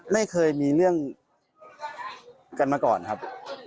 ไม่เคยมีเรื่องกันมาก่อนครับ